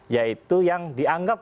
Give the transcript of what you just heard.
ya itu yang dianggap